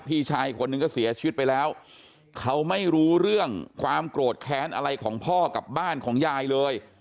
พี่ชายอีกคนนึงก็เสียชีวิตไปแล้วเขาไม่รู้เรื่องความโกรธแค้นอะไรของพ่อกับบ้านของยายเลย